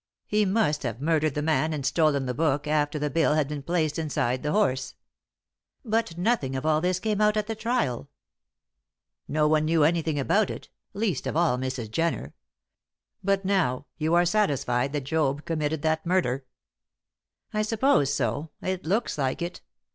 He must have murdered the man and stolen the book after the bill had been placed inside the horse. "But nothing of all this came out at the trial." "No one knew anything about it least of all Mrs. Jenner. But now you are satisfied that Job committed that murder?" "I suppose so; it looks like it.